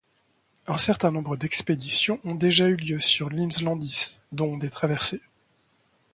Un certain nombre dexpéditions ont déjà eu lieu sur l'inlandsis, dont des traversées.